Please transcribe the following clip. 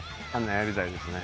やりたいですね。